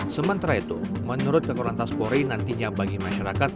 sementara itu menurut kekurang taspori nantinya bagi masyarakat